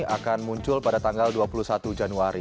akan muncul pada tanggal dua puluh satu januari